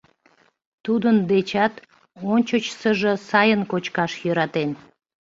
Тудын дечат ончычсыжо сайын кочкаш йӧратен.